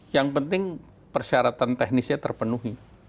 yang penting persyaratan teknisnya terpenuhi